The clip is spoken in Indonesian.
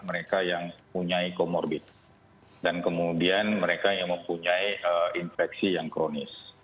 mereka yang punya comorbid dan kemudian mereka yang mempunyai infeksi yang kronis